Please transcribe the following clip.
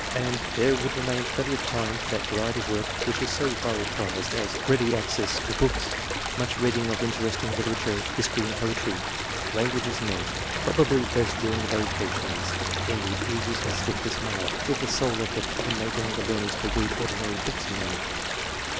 ] EDUCATION, ±o1 there would remain plenty of time for that variety of work which is so highly prized, as — ready access to books ; much reading of interest ing literature, history and poetry ; languages learnt, probably best during the vacations, in the easiest and swiftest manner, with the sole object of enabling the learners to read ordinary books in them.